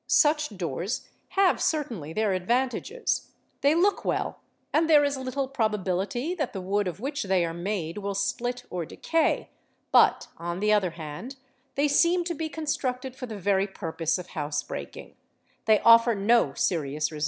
Such doors have certainly their advantages ; they look well and there is little probability that the wood of which they are made will split or decay, but on the other hand they ¢ d seem to be constructed for the very purpose of housebreaking; they offer no serious re Fig.